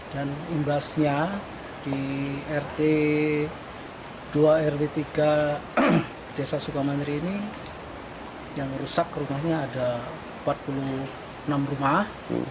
dan imbasnya di rt dua rw tiga desa sukamantri ini yang rusak rumahnya ada empat puluh enam rumah